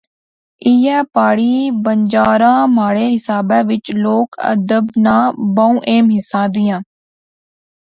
ایہہ پہاڑی بنجاراں مہاڑے حسابے وچ لوک ادب ناں بہوں اہم حصہ دیاں